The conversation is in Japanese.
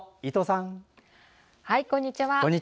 こんにちは。